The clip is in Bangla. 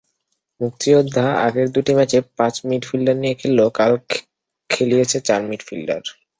মুক্তিযোদ্ধা আগের দুটি ম্যাচে পাঁচ মিডফিল্ডার নিয়ে খেললেও কাল খেলিয়েছে চার মিডফিল্ডার।